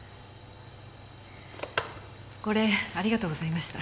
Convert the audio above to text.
これありがとうございました。